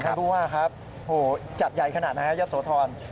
ฉันพูดว่าครับโหจัดใหญ่ขนาดนะครับยศโทษธรณ์